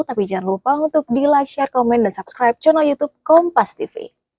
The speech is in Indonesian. tapi jangan lupa untuk di like share komen dan subscribe channel youtube kompas tv